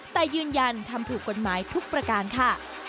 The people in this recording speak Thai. แต่ยืนยันทำถูกกฎหมายทุกประการค่ะ